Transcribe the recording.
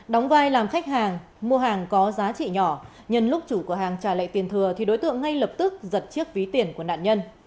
đóng vai làm khách hàng mua hàng có giá trị nhỏ nhân lúc chủ cửa hàng trả lại tiền thừa thì đối tượng ngay lập tức giật chiếc ví tiền của nạn nhân